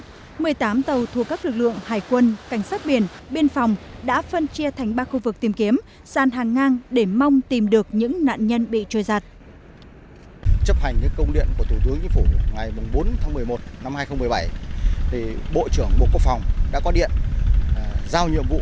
trước đó một mươi tám tàu thuộc các lực lượng hải quân cảnh sát biển biên phòng đã phân chia thành ba khu vực tìm kiếm san hàng ngang để mong tìm được những nạn nhân bị trôi giặt